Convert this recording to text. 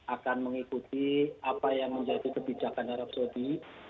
akan mengikuti apa yang menjadi kebijakan arab saudi